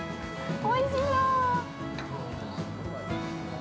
◆おいしい。